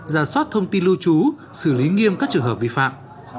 giả soát thông tin lưu trú xử lý nghiêm các trường hợp vi phạm